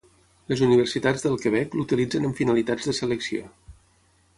Les universitats del Quebec l'utilitzen amb finalitats de selecció.